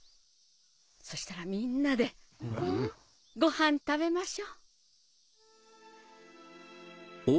そしたらみんなでごはん食べましょ。